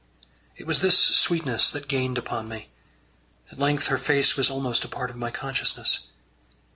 It was this sweetness that gained upon me: at length her face was almost a part of my consciousness.